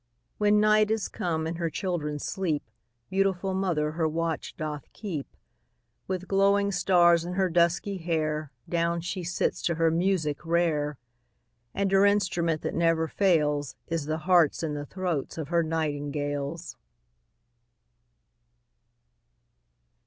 When night is come, and her children sleep, Beautiful mother her watch doth keep; With glowing stars in her dusky hair Down she sits to her music rare; And her instrument that never fails, Is the hearts and the throats of her nightingales.